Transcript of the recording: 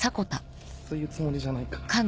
そういうつもりじゃないから。